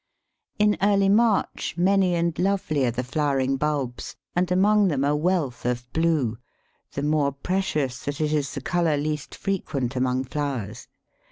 In early March many and lovely are the flowering bulbs, and among them a wealth of blue, the more precious that it is the colour least frequent among flowers.